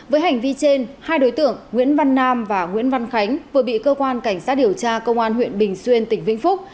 với hành vi trên hai đối tượng nguyễn văn nam và nguyễn văn khánh vừa bị cơ quan cảnh sát điều tra công an huyện bình xuyên tỉnh vĩnh phúc